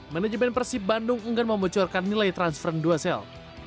manajemen persib bandung enggan membecurkan nilai transfer ndwesel